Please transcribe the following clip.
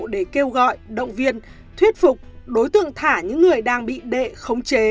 để kêu gọi động viên thuyết phục đối tượng thả những người đang bị đệ khống chế